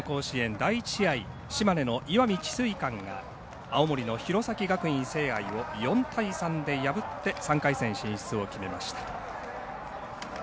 第１試合、島根の石見智翠館が青森の弘前学院聖愛を４対３で破って３回戦進出を決めました。